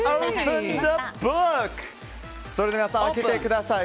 それでは皆さん開けてください。